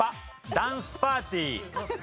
ダンスパーティー。